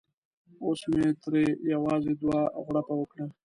اوس مې ترې یوازې دوه غړپه وکړه.